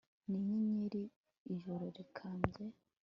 Ni inyenyeri ijoro rikambye